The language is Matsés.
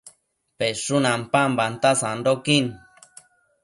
peshun ampambanta sandoquin